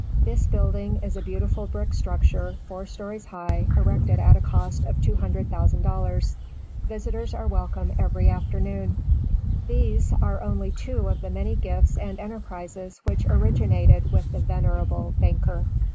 This building is a beautiful brick structure, four stories high, erected at a cost of $200,000. Visitors are welcome every afternoon. These are only two of the many gifts and enterprises which originated with the venerable banker.